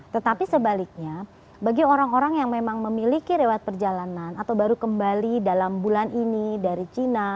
tetapi sebaliknya bagi orang orang yang memang memiliki rewat perjalanan atau baru kembali dalam bulan ini dari cina